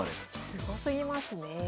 すごすぎますねえ。